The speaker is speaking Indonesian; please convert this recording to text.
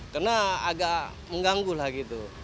karena agak mengganggu lah gitu